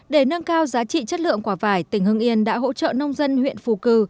để nâng cao giá trị chất lượng quả vải tỉnh hưng yên đã hỗ trợ nông dân huyện phù cử